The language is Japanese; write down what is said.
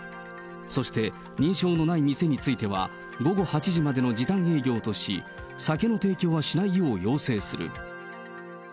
そして認証のない店については、午後８時までの時短営業とし、酒の提供はしないよう要請する。